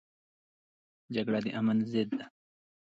جګړه د امن ضد ده